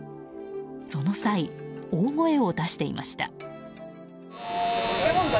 その際、大声を出していました。